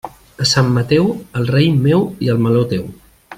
A Sant Mateu, el raïm meu i el meló teu.